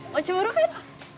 lo cemburu kan